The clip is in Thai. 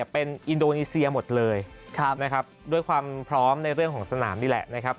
เป็นอินโดนีเซียหมดเลยนะครับด้วยความพร้อมในเรื่องของสนามนี่แหละนะครับ